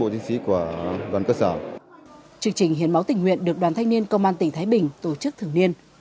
chương trình hiến máu tình nguyện được đoàn thanh niên công an tỉnh thái bình tổ chức thường niên